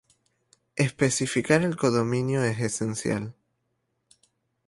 Especificar el codominio es esencial.